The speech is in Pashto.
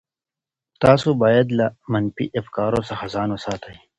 تاسي باید له منفي افکارو څخه ځان وساتئ.